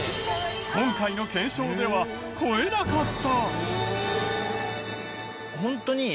今回の検証では越えなかった。